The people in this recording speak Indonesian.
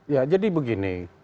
ya jadi begini